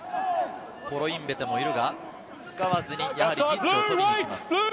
コロインベテもいるが使わずに、やはり陣地を取りにいきます。